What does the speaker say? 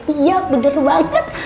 iya bener banget